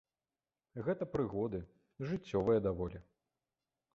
Гэта прыгоды, жыццёвыя даволі.